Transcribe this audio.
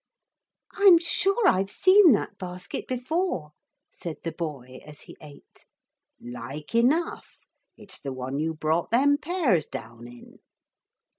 'I'm sure I've seen that basket before,' said the boy as he ate. 'Like enough. It's the one you brought them pears down in.'